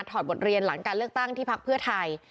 อดบทเรียนหลังการเลือกตั้งที่พักเพื่อไทย